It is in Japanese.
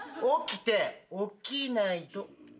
起きないと。